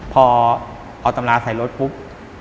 พอตำราใส่รถปุ๊บ